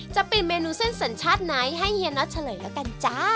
จะเปลี่ยนเมนูเส้นสัญชาติไหนให้เฮียน็อตเฉลยแล้วกันจ้า